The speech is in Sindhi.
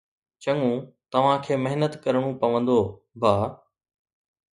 چڱو، توهان کي محنت ڪرڻو پوندو، ڀاء